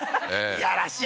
やらしい